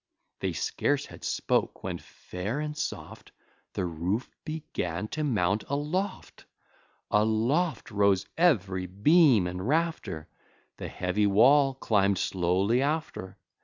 They scarce had spoke, when fair and soft, The roof began to mount aloft; Aloft rose ev'ry beam and rafter; The heavy wall climb'd slowly after.